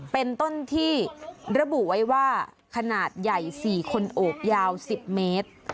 เป็นต้นที่ระบุไว้ว่าขนาดใหญ่๔คนโอบยาว๑๐เมตร